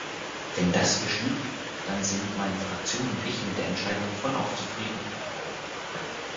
Wenn das geschieht, dann sind meine Fraktion und ich mit der Entscheidung vollauf zufrieden.